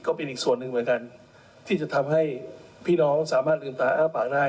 ก็เป็นอีกส่วนหนึ่งเหมือนกันที่จะทำให้พี่น้องสามารถลืมตาอ้าปากได้